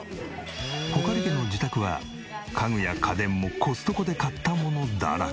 穂苅家の自宅は家具や家電もコストコで買ったものだらけ！